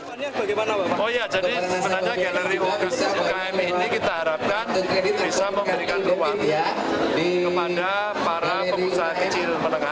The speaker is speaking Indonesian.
oh iya jadi sebenarnya galeri ukm ini kita harapkan bisa memberikan ruang kepada para pengusaha kecil menengah